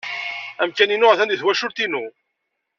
Amkan-inu atan deg twacult-inu.